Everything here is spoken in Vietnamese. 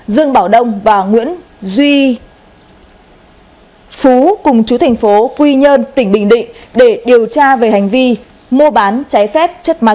dương bảo đông và nguyễn duy phú cùng chú thành phố quy nhơn tỉnh bình định để điều tra về hành vi mua bán trái phép chất ma túy